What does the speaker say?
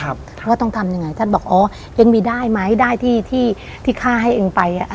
ครับเพราะว่าต้องทำยังไงท่านบอกอ๋อยังมีได้ไหมได้ที่ที่ที่ข้าให้เองไปอ่ะ